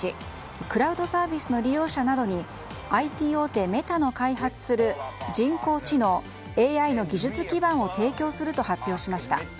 クラウドサービスの利用者などにＩＴ大手メタの開発する人工知能・ＡＩの技術基盤を提供すると発表しました。